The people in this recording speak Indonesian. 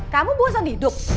kamu bosan hidup